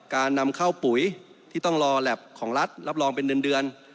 การนำเข้าปุ๋ยที่ต้องรอแล็บของรัฐรับรองเป็นเดือน